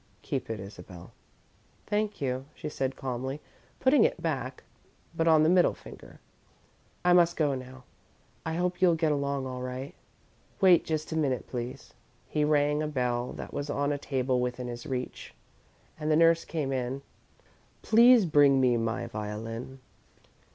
Keep it, Isabel." "Thank you," she said, calmly, putting it back, but on the middle finger. "I must go now. I hope you'll get along all right." "Wait just a minute, please." He rang a bell that was on a table within his reach, and the nurse came in. "Please bring me my violin."